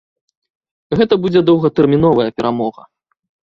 Гэта будзе доўгатэрміновая перамога.